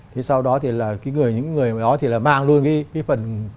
thì sau đó thì là những người đó thì là mang luôn cái phần